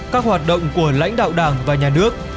các hoạt động của lãnh đạo đảng và nhà nước